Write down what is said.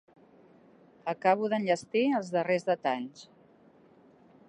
Acabo d'enllestir els darrers detalls.